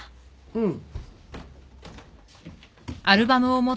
うん。